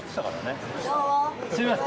すいません。